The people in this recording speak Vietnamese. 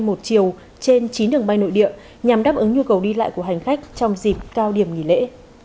một chiều trên chín đường bay nội địa nhằm đáp ứng nhu cầu đi lại của hành khách trong dịp cao điểm nghỉ lễ